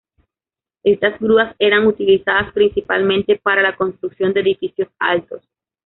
Estas grúas eran utilizadas principalmente para la construcción de edificios altos.